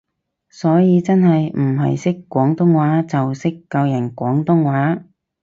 所以真係唔係識廣東話就識教人廣東話